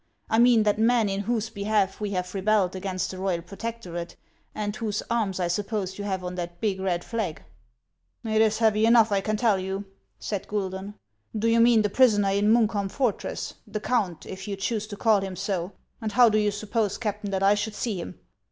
I mean that man in whose behalf we have rebelled against the royal protec torate, and whose arms I suppose you have on that big red flag." " It is heavy enough, I can tell you !" said Guidon. "Do you mean the prisoner in Munkholm fortress, — the count, if you choose to call him so ; and how do you suppose, Captain, that T should see him